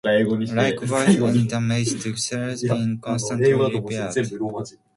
Likewise, any damage to cells is constantly repaired.